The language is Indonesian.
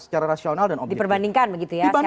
secara rasional dan diperbandingkan begitu ya